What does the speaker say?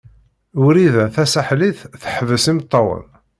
Wrida Tasaḥlit teḥbes imeṭṭawen.